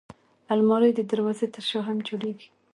الماري د دروازې تر شا هم جوړېږي